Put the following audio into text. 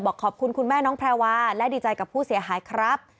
ขอบคุณคุณแม่น้องแพรวาและดีใจกับผู้เสียหายครับ